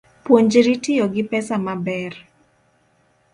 Puonjri tiyo gi pesa maber